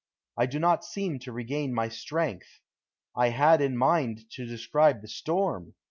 I do not seem to regain my strength. I had in mind to describe the storm.